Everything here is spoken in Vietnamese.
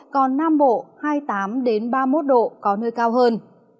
còn nam bộ hai mươi tám ba mươi một độ có nơi cao hơn